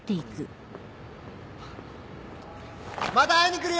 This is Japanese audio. また会いに来るよ！